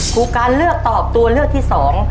ครูกันเลือกตอบตัวเลือกที่สอง